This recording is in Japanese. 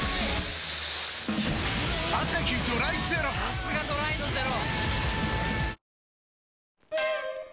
さすがドライのゼロ！